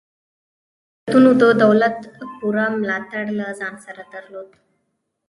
ځینو شرکتونو د دولت پوره ملاتړ له ځان سره درلود